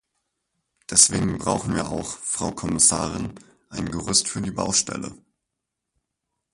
Deswegen brauchen wir auch, Frau Kommissarin, ein Gerüst für die Baustelle.